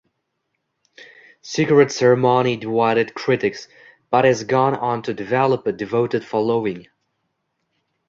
"Secret Ceremony" divided critics, but has gone on to develop a devoted following.